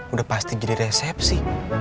udah pasti jadi resepsi